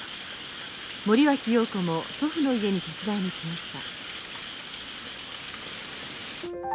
森脇瑤子も祖父の家に手伝いに来ました。